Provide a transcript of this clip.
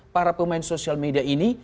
para pemain social media ini